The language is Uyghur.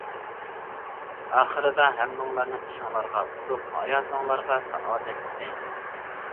ئاخىرىدا ھەممىڭلارنىڭ ئىشىڭلارغا ئۇتۇق، ھاياتىڭلارغا سائادەت تىلەيمىز.